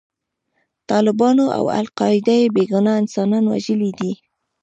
طالبانو او القاعده بې ګناه انسانان وژلي دي.